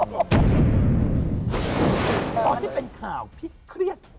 ตอนที่เป็นข่าวพี่เครียด